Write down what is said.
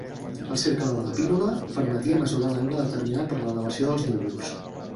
El cercle de la pínula permetia mesurar l’angle determinat per l’elevació dels núvols.